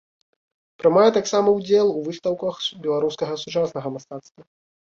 Прымае таксама ўдзел у выстаўках беларускага сучаснага мастацтва.